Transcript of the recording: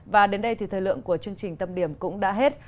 và đến đây thì thời lượng của chương trình tâm điểm cũng đã hết